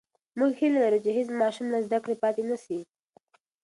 موږ هیله لرو چې هېڅ ماشوم له زده کړې پاتې نسي.